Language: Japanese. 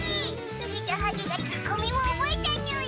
つぎとはぎがツッコミを覚えたにゅい。